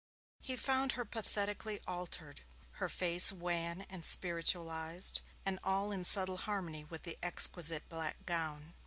He found her pathetically altered her face wan and spiritualized, and all in subtle harmony with the exquisite black gown.